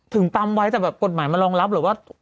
ถึงปั๊มไว้แต่แบบกฎหมายมารองรับหรือว่า